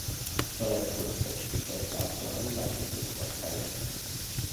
Bereits kurze Zeit später gab es auch eine Leichtathletik-Abteilung.